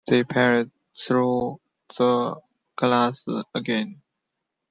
They peered through the glass again.